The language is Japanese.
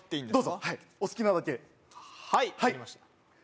どうぞはいお好きなだけはい切りました